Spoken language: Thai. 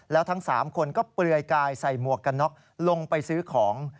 แล้วทั้ง๓คนก็เปลือยกายใส่หมวกกันน็อกลงไปซื้อของ